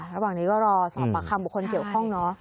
ระหว่างนี้ก็รอสอบปากคำบุคคลเกี่ยวข้องเนอะ